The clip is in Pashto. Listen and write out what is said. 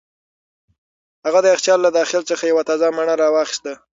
هغه د یخچال له داخل څخه یوه تازه مڼه را واخیسته.